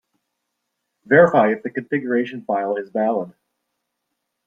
Verify if the configuration file is valid.